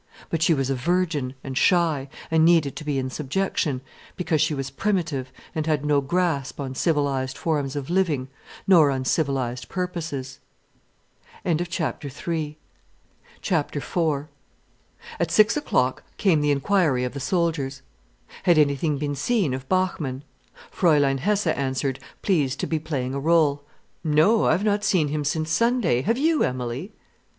But she was virgin, and shy, and needed to be in subjection, because she was primitive and had no grasp on civilized forms of living, nor on civilized purposes. IV At six o'clock came the inquiry of the soldiers: Had anything been seen of Bachmann? Fräulein Hesse answered, pleased to be playing a rôle: "No, I've not seen him since Sunday—have you, Emilie?"